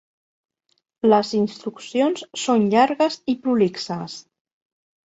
Les instruccions són llargues i prolixes.